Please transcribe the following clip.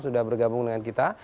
sudah bergabung dengan kita